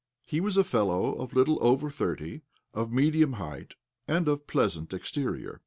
He was a fellow of a little over thirty, of medium height, and of pleasant exterior.